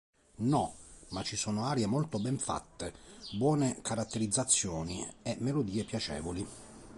No, ma ci sono arie molto ben fatte, buone caratterizzazioni, e melodie piacevoli.